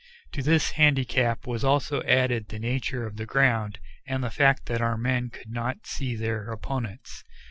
To this handicap was also added the nature of the ground and the fact that our men could not see their opponents.